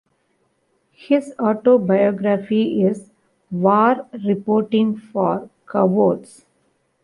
His autobiography is "War Reporting for Cowards".